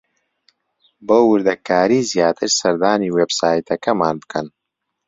بۆ وردەکاریی زیاتر سەردانی وێبسایتەکەمان بکەن.